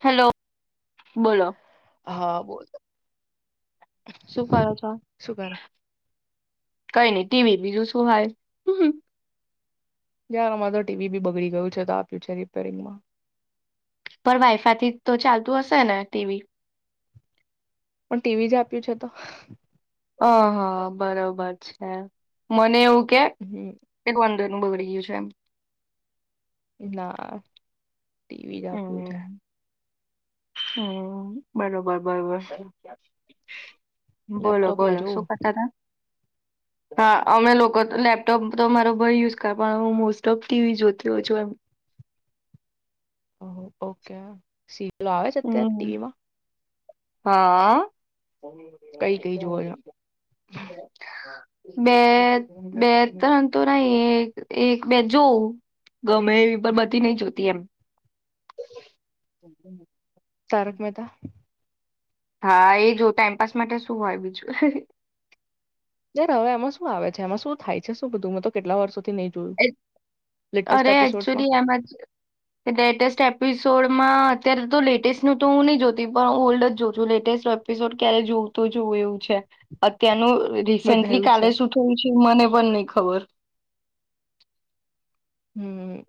Hello હા બોલ શું કરો છો. શું કરે કઈ નઈ ટીવી બીજું શું હાય યાર અમારે તો ટીવી બી બગડી ગયું છે તો આપ્યું છે રિપેરિંગમાં. પણ વાયફાઈ થી તો ચાલતું હશે ને ટીવી. પણ ટીવી જ આપ્યું છે તો. હ હા બરોબર છે મને હમ એવું [unintelligible] બગડી ગયું છે એમ. ના ટીવી આપું જાય હમ્મ બરોબર બરોબર બોલો લેપટોપમાં બોલો શું જોવું કરતા હતા. હા અમે લોકો લેપટોપ તો અમારો ભઈ યુઝ કરે પણ હુ મોસ્ટ ઓફ ટીવી જોતી હો છું એમ. ઓ ઓકે સી રિયલ આવે છે હમ ટીવીમાં. હા કઈ કઈ જોવો છો બે બે ત્રણ તો નહી એક એક બે જોવું ગમે એવી પણ બધી નહી જોતી એમ. તારક મેહેતા. હા એ જો ટાઈમપાસ માટે શું હોય બીજું. યાર હવે એમાં શું આવે છે એમાં શું થાય છે શું બધું તો કેટલા વર્ષો અરે એપિસોડમાં એચુલી એમાં લેટેસ્ટ એપિસોડ મા અત્યારે તો લેટેસ્ટ નું તો હું નહી જોતી પણ ઓલ્ડ જ જોઉં છુ લેટેસ્ટ એપિસોડ ક્યારે જોઉં તો જાઉં એવું છે અત્યારનું બધા રિસેન્ટલી એવું જ છે કાલે શું થયું છે મને મન નહી ખબર. હમ્મ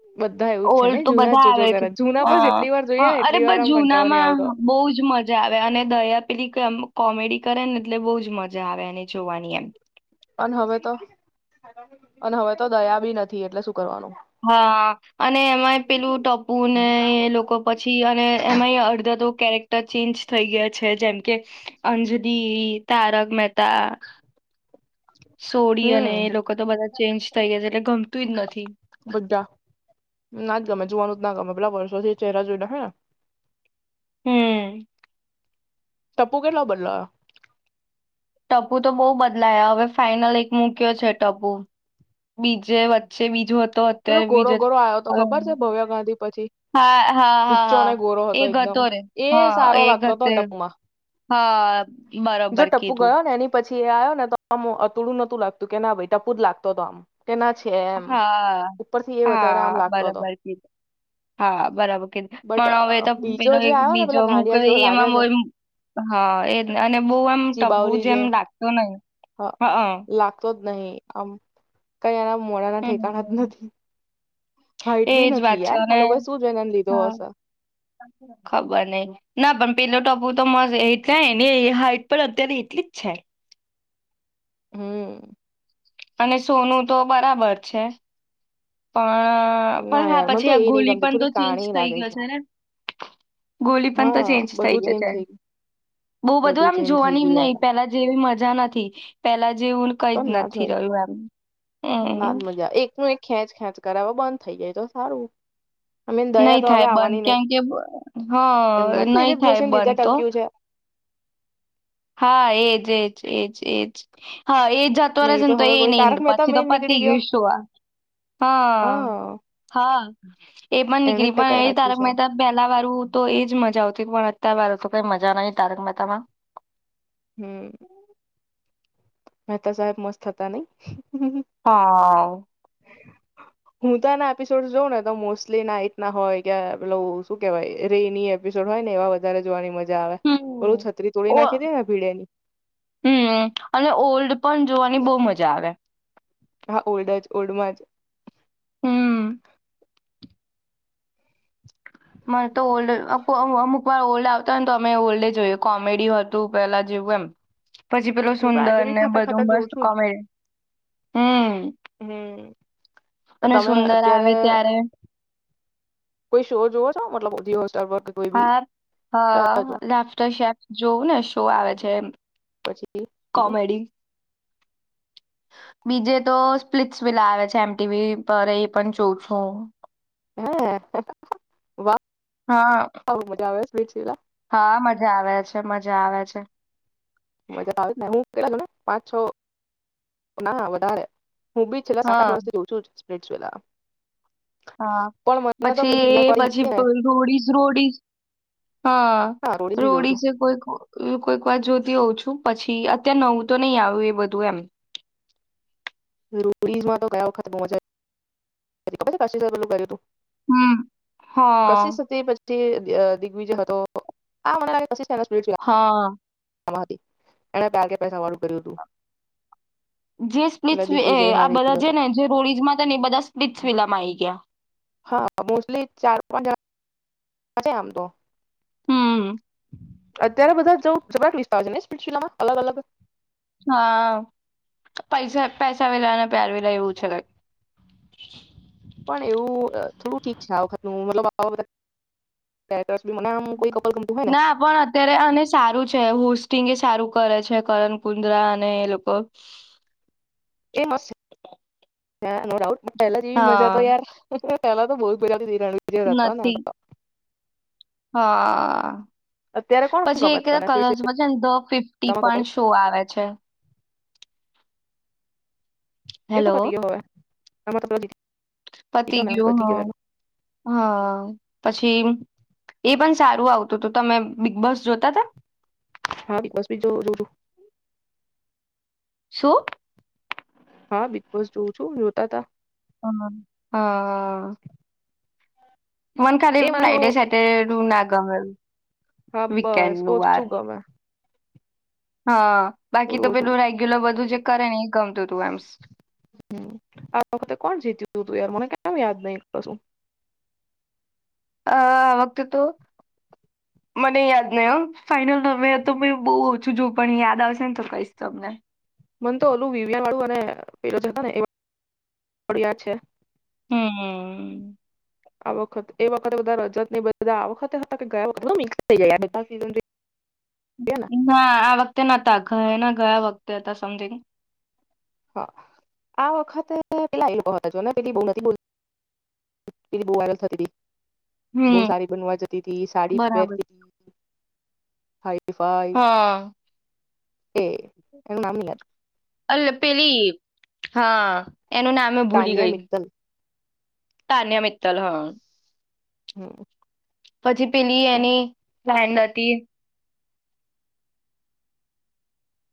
ઓલ્ડ તો બધા આવે છે જૂના હ પણ જેટલી વાર હ જોઈએ ને અરે એટલી વાર બસ આમ કંટાળો નહી જુનામાં આવતો બહુજ મજા આવે અને દયા પેલી કોમેડી કરે ને એટલે બહુ જ મજા આવે એને જોવાની એમ. અને હવે તો અને હવે તો દયા બી નથી એટલે શુ હા અને એમાંય પેલું ટપું ને હમ એ લોકો પછી અને એમાંય અડધા તો કેરેક્ટર ચેન્જ થઈ ગયા છે જેમ કે અંજલી તારક મહેતા સોડી અને એ લોકો તો બધા ચેન્જ થઈ ગયા એટલે ગમ બધા ના જ ગમે જોવાનું ના ગમે પેલા વર્ષોથી ચહેરા જોઈને હેને. હમ્મ ટપ્પુ કેટલો બદલાયો ટપુ તો બહુ બદલાયા હવે ફાાઈનલ એક મૂક્યો છે ટપુ બીજે વચ્ચે બીજું પેલો ગોરો ગોરો આવ્યો તો ખબર છે ભવ્ય ગાંધી. પછી હા હા હા ઊંચો હા અને ગોરો એ એકદમ હતો રે એ હા સારો એ લાગતો હતો ટપુમાં હા જો બરોબર ટપુ કીધું. ગયો ને એની પછી આવ્યો ને તો આમ અતુડું નતું લાગતું કે ના ભાઈ ટપુ જ લાગતો આમ. તેના છે એમ. હા ઉપરથી એ વધારે આમ હા લાગતો હતો બરાબર કીધ હા બરાબર કીધી બટ પણ હવે તો બીજો પેલો જે આવ્યો ને બીજો પેલા મૂક ગાંડિયા જેવો લાગે એમાં છે હા એ જ અને બહુ આમ ટપવું ચીબાવલી જેમ જેવો લગાતો નહી હા. લાગતો જ નહી આમ કઈ એના મોડાના ઠેકાણા જ હમ નથી. [inaudible] હાઈટ એજ બી વાત નથી છે યાર આ અને લોકોએ શું જોઈને એને લીધો હશે ખબર નહી ના પણ પેલો ટપુ તો મ એટલે એની હાઈટ પણ અત્યારે એટલી જ છે. હમ્મ અને સોનું તો બરાબર છે. અ ના પણ હા યાર મને પછી તો આ એ નહી ગોલી ગમતી પણ તો થોડી ચેન્જ કાણી થઈ લાગે ગયો છે ને ગોલી પણ તો હા ચેન્જ થઈ બધું ગયો ચેન્જ છે ગયું બહુ બધું આમ ચેન્જ થઈ જોવાનીમ ગયું યાર નહિ આમાં પેલા જેવી મજા નથી પેલા જેવું કઈ તો જ ના નથી હોય રહ્યું એમ. ના હમ મજા આવે એકનું એક ખેંચ ખેંચ કરઈ હવે બંધ થઈ જાય તો સારું. અમે નહી દયા તો હવે થાય બંધ આવવાની નહી કેમ કે હા નહી દિલીપ થાય જોશીને લીધે બંધ તો ટક્યું છે હા એજ એજ એજ એજ. હા એ જતો રહે નહી છે ને તો હવે એ કોઈ તારક નને મહેતા પછી તો મેન નીકળી પતી ગય ગયો શું સો આ હા હ હા એ પણ એને જ નીકળી પણ ટકાઈ એ રાખ્યું તારક છે મહેતા પહેલા વાર તો એજ મજા આવતી પણ વાર તો કઈ મજા નહી તારક મહેતામાં. હમ્મ મહેતા સાહેબ મસ્ત હતા નહી. હા હું તો આના એપિસોડ જોઉ ને તો મોસ્ટલી નાઈટ ના હોય કે પલુ શું કેવાય રેની એપિસોડ હોય ને એવા વધારે જોવાની મજા આવે ઓલું હમ્મ છત્રી તોડી ઓ નાખી દે ને ભીડેની હમ્મ અને ઓલ્ડ પણ જોવાની બો મજા આવે. હા ઓલ્ડ જ ઓલ્ડમાં જ. હમ્મ મને તો ઓલ્ડ ઓ અ અમુક વાર ઓલ્ડ આવતા હો ને તો અમે ઓલ્ડે જોયએ કોમેડી હતું પેલા જેવું એમ. પછી પેલું હું તો સુંદર આજે બી ને ખાતા બધું ખાતા મસ્ત જોઉં છું જ કોમેડ હમ્મ હમ તમે અત્યારે કોઈ શો જોવો. તો મતલબ [unintelligible] દિવસ હા હા જો લાફ્ટર શેફ જોવુંને શો આવે છે પછી બીજું કોમેડી બીજે તો સ્પ્લટ્સ વેલા આવે છે એમટીવી પર એ પણ જોં છું. હ વા હા. આવુ મજા આવે છે. [unintelligible] હા મજા આવે છે, મજા આવે છે. મજા તો આવે જ ને હું કેટલા ખબર પાંચ છ, ના વધારે હું બી છેલા સાત હા. આઠર્ષથી જોઉ છું જ. સ્પ્લિટ્સવિલા. હા પણ મને તો પછી પેલી એ પ્રિયંકા વાળી હતી ને પછી રોડીઝ રોડીઝ હા બી જોઉં છું રોડીઝ એ કોઈક કોઇક વાર જોતી હોઉં છું. પછી અત્યારે નવું તો નહી આવ્યું એ બધું એમ. રોડીઝમાં તો ગયા વખત બો મજા ખબ છે કાશી સાહેું પેલું કર્યું તું. હમ. કશીશ હા હતી પછી તે અ દિગ્વિજય હતો આ મ [unintelligible] હા. પળ હતી એણે બાકે પૈસા વાળું કર્યું તું. જે સ્પ્લીટ વી એ આ બધા ગયો જે હતો ને જે રોડિજમાં હતા ને એ બધા સ્પિટ્સવિલામા આઈ ગ્યા. હા મોસ્ટલી ચાર પાંચ આ [inaudible] છે આમ તો. હમ્મ. અત્યારે બધા જઉ [unintelligible] ને સ્પિટ્સવિલામા, અલગ અલગ હા, પૈસા પૈસા વિલાને પ્યાર વિલાવું છે કઈ. પણ એવું થોડું ઠીક છે આ વખતનું મતલબ આવા બધા કે ના પણ અત્યારે અને સારું છે હું સ્ટિંગ એ સારું કરે છે કરણ કુંદ્રા અને એ લોકો. એ મસ્ત છે, [inaudible] અ નો ડાઉટ. બટ પેલા જેવી મજા તો હા યાર. પહેલા તો બો જ બધી તી તી. રણવીર હતો ને આજ નથી તો? હા. અત્યારે કોણ પછી ગમે એક પેલા તને સ્પીડ કલર્સમાં છે ને તો ધ ફિફ્ટી શિલામાં કપલ પણ શો આવે છે. એ તો હેલો, પતી ગયો હવે એમાં તો પેલો થઈ પતિ ગયો ને ગ્યું હ, પતી ગયો એનો હા. પછી એ પણ સારું આવતું તું તમે બિગ બૉસ જોતા તા? હા, બિગ બૉસ ભી જોવ જોવ છું. શું? હા બિગ બૉસ જોઉં છું, જોતાતા. હા, હા હા. મન ખાલી એ મને ફ્રાઈડે થોડું સેટરડે નું ના ગમેલું. હા, બસ ઓછું ગમે. હા. બાકી થોડું તો ઓછું પેલું રેગ્યુલર બધું જે કરે ને એ ગમતું તું એમ હમ્મ, આ વખતે કોણ જીત્યું તું, યાર મને કેમ યાદ નહી કશું? અહ આ વખતે તો મને યાદ નઈ હા ફાઈનલ રમી હોય તો બી બો ઓછું જોવ પણ યાદ આવશે ને તો કઈશ તમને મને તો ઓલું [unintelligible] અને પેલો જ હતો ને એ વાળુ થોડું યાદ છે. હમ્મ. આ વખત એ વખતે બધા રજત બધા આ વખતે હતા, કે ગયે વખ મિક્સ થઈ જાય યાર ના આ વખતે નોતા ગયે ગયા વખતે હતા સમથિંગ. હા, આ વખતે પેલા એ પેલી બો નથી બલ પે બોલતી વાયરલ થતી. બો હમ્મ સારી બનવા જતી હતી, સાડી જ બરાબર પહેરતી હા હા. એ એનું [unintelligible] નામ નહી યાદ અલ પેલી, હા! એનું નામે ભૂલી ગય તાનિયા મિત્તલ તાનિયા મિતતલ, હા હમ્મ. પછી પેલી એની ક્લાઈન્ટ હતી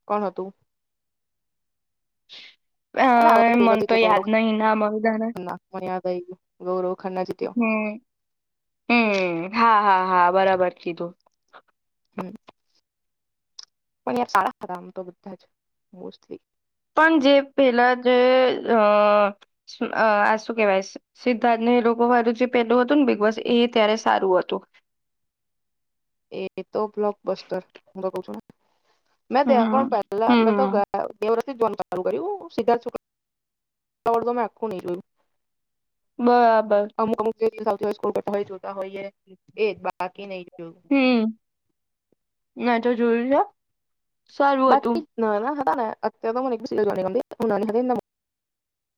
કોણ હતું? આ અ વખતે પેલો મને તો જીત્યો યાદ ગૌરવ નહી ના મળધાને ખન્ના મને યાદ આવી ગયું ગૌરવ ખન્ના જીત્યો હમ્મ, હમ્મ, હા, હા, હા, બરાબર કીધું. હમ્મ. [unintelligible] આમ તો બધા જ મોસ્ટલી. પણ જે પેલા જે શું કેહેવાય સિદ્ધાર્થને લોકો વારું જે પેલું હતું ને બિગ બોસ, એ ત્યારે સારું હતું. એતો બ્લોક બસ્તર, હું તો કઉ છું ને મેં ત્યા હમ પણ પહેલા મેં તો હમ. ગયા વરસ જોવાનું ચાલુ કર્યું, સિદ્ધાર્થ શુકલા વાળુ મે આખું નઈ જોયું. બરાબર. [unintelligible] [unintelligible] હોઈએ એજ બાકી નઈ જોયું. ના તો જરૂરી [unintelligible] બાકી ના ના ને તો અત્યારે તો એક પણ સિરિયલ નથી ગમતી, હું નાની હતી તો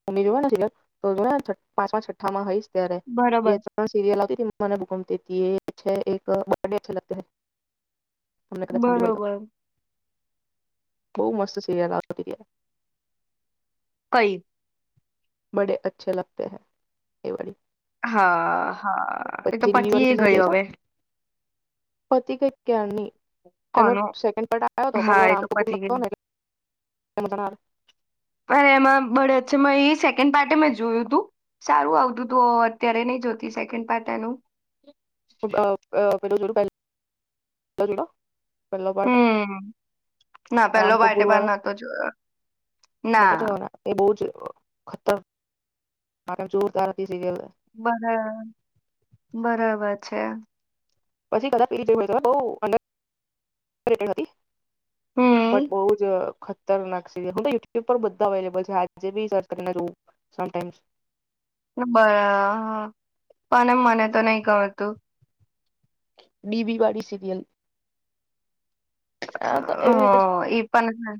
મમ્મી જોવે ને સિરિયલ તો જોયા કરતી પાંચમાં છઠ્ઠામાં હોઈશ ત્યારે, બરોબર બે ત્રણ સિરયલ આવતી ને મને બોવ ગમતી તી, એક છે બડે અચે લગતે હૈ. તમને કદાચ સાંભળી હોય તો બરોબર. બહુ મસ્ત સીરયલ આવતી્યા કઈ? બડે અચ્છે લગતે હૈ, એ વાડી. હા હા એ તો ડીવી વાળી પતિએ સિરિયલ ગઈ જોઈ છે હવે. પતી ગઈ ક્યાર ની. એનો કોનું? સેકડ પ આવયો હતો હા એ રામ તો કપૂર પતી ન ગઈ [inaudible] અછ મે એ સેકન્ડ પાર્ટ મે જોયું હતું સારું આવતું તો અત્યારે નહી જોતી સેકન્ડ પાર્ટ એનું. [inaudible] પહેલો પાર્ટ હમ્મ ના રામ પેલો પાર્ટ કપૂર પણ વાળો નતો જોયો ના. ખતર [inaudible] બરા-બરાબર છે. પછી [inaudible] બટ હમ બહુજ ખતરનાક સિરિયલ. [inaudible] યુટ્યુબ બધા અવેલેબલ છે. આજ જેભી સર્ચકરી ને જોઉં સોમટાઇમ્સ. એબા પણ એ મને તો નહી ગરતું. બીબીવાડી સિરિયલ. આ તો એવી રીતે હા ઈ પણ ને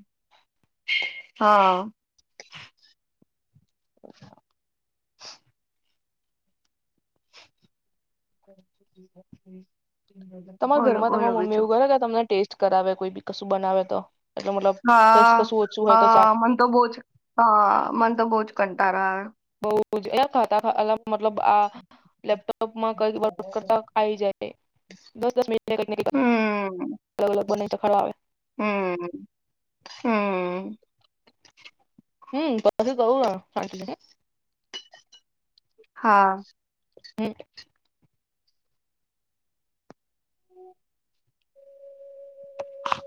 હા. [inaudible] તમારા બોલો ઘરમાં બોલો તમાર મમ્મી બીજું એવું કરે કે તમને ટેસ્ટ કરાવે કોઈ બી કશું બનાવે તો? એટલે મતલબ હા કશ કશું ઓછું હોય તો હા ચાખ મન તો બોજ હા મન તો બહુજ કં તારો આવે. બહુજ એટલે થતા થા મતલબ આહ લેપટોપ માં કઈ વ કરતા આ આવી જાય. દસ દસ મિનિટ [inaudible] લોકોને તો ખાવા આવે. હમ્મ, હમ્મ. હમ્મ તો પછી કવું આ [inaudible] હા. હમ્મ.